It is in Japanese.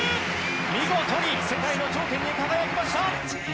見事に世界の頂点に輝きました！